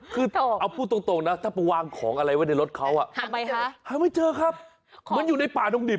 คือเอาพูดตรงนะถ้าไปวางของอะไรไว้ในรถเขาอ่ะทำไมคะหาไม่เจอครับมันอยู่ในป่าดงดิบ